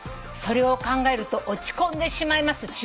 「それを考えると落ち込んでしまいます」